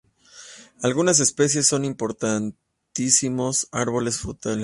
Algunas especies son importantísimos árboles frutales.